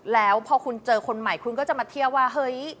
แล้วพอคุณเจอคนใหม่คุณก็จะมาเที่ยวว่าเฮ้ย